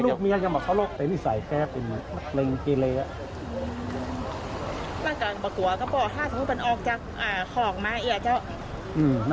แล้วกันปกติก็บอกถ้าสมมุติมันออกจากของมาเนี่ยเจ้า